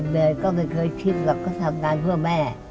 แต่ก็ไม่เคยคิดหรอกก็ทำงานเพื่อแม่